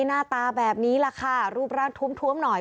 หน้าตาแบบนี้แหละค่ะรูปร่างท้วมหน่อย